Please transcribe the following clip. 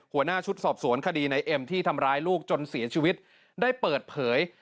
หัวหน้าชุดสอบสวนคดีในเอ็มที่ทำร้ายลูกจนเสียชีวิตได้เปิดเผย